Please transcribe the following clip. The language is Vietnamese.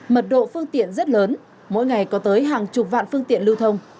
mật độ phương tiện rất lớn mỗi ngày có tới hàng chục vạn phương tiện lưu thông